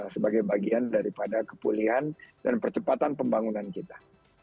sebagai bagian daripada kepulihan dan percepatan pembangunan kita